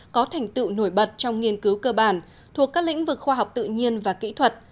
có thành tựu nổi bật trong nghiên cứu cơ bản thuộc các lĩnh vực khoa học tự nhiên và kỹ thuật